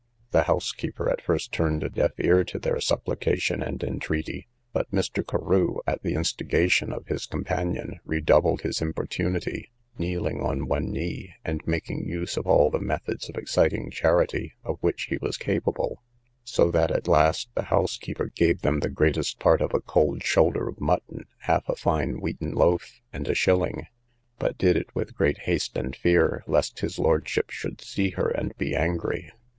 The housekeeper at first turned a deaf ear to their supplication and entreaty; but Mr. Carew, at the instigation of his companion, redoubled his importunity, kneeling on one knee, and making use of all the methods of exciting charity, of which he was capable; so that at last the housekeeper gave them the greatest part of a cold shoulder of mutton, half a fine wheaten loaf, and a shilling, but did it with great haste and fear, lest his lordship should see her, and be angry.